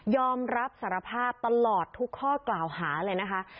อมรับสารภาพตลอดทุกข้อกล่าวหาเลยนะคะ